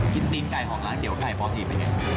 กินติดไก่ของร้านเตี๋ยวไก่พอสีบเป็นอย่างไร